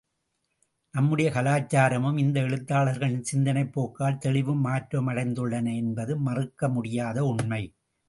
நம்முடைய கலாச்சாரமும் இந்த எழுத்தாளர்களின் சிந்தனைப் போக்கால் தெளிவும் மாற்றமும் அடைந்துள்ளன என்பது மறுக்கமுடியாத உண்மை.